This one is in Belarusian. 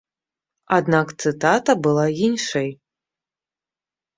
Аднак цытата была іншай!